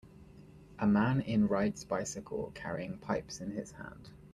A man in rides bicycle carrying pipes in his hand.